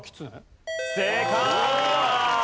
正解！